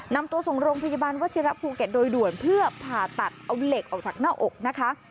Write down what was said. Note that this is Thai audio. นำตัวส่งโรงพยาบาลวัชิระภูเก็ตโดยด่วนเพื่อผ่าตัดเอาเหล็กออกจากหน้าอกนะคะ